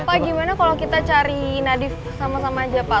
pak gimana kalau kita cari nadif sama sama aja pak